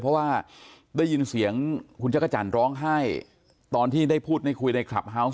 เพราะว่าได้ยินเสียงคุณจักรจันทร์ร้องไห้ตอนที่ได้พูดได้คุยในคลับเฮาวส์